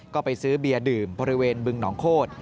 ก็ไปซื้อเบียร์ดื่มบริเวณบึงหนองโคตร